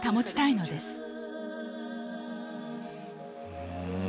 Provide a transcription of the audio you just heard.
うん。